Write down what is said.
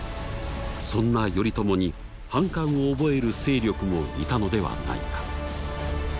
そんな頼朝に反感を覚える勢力もいたのではないか。